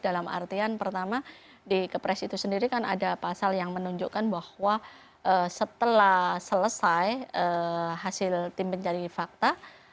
dalam artian pertama di kepres itu sendiri kan ada pasal yang menunjukkan bahwa setelah selesai hasil tim pencari fakta